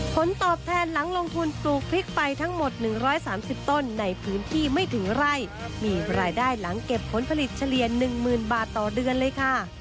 ผลตอบแทนหลังลงทุนปลูกพริกไปทั้งหมด๑๓๐ต้นในพื้นที่ไม่ถึงไร่มีรายได้หลังเก็บผลผลิตเฉลี่ย๑๐๐๐บาทต่อเดือนเลยค่ะ